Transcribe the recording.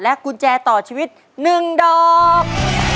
และกุญแจต่อชีวิตหนึ่งดอก